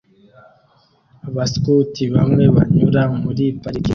Abaskuti bamwe banyura muri parike